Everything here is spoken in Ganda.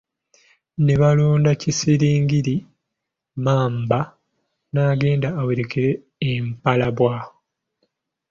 Ne balonda Kisingiri Mmamba N'agenda awerekera Empalabwa!